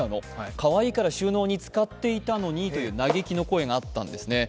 かわいいから収納につかっていたのにと嘆きの声があったんですね。